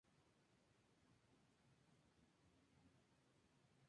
La tranquilidad no duró mucho.